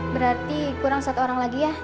berarti kurang satu orang lagi ya